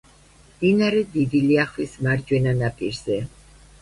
მდინარე დიდი ლიახვის მარჯვენა ნაპირზე.